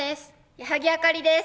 矢作あかりです。